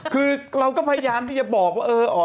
คือเราก็พยายามที่จะบอกว่า